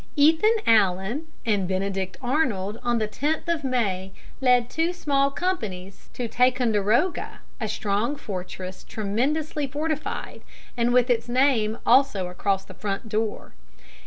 Ethan Allen and Benedict Arnold on the 10th of May led two small companies to Ticonderoga, a strong fortress tremendously fortified, and with its name also across the front door.